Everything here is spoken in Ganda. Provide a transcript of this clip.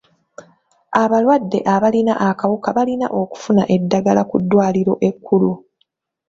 Abalwadde abalina akawuka balina okufuna eddagala ku ddwaliro ekkulu.